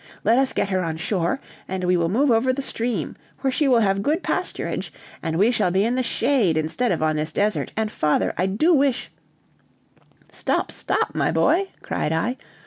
Let us get her on shore, and we will move over the stream, where she will have good pasturage, and we shall be in the shade instead of on this desert, and father, I do wish " "Stop, stop, my boy!" cried I.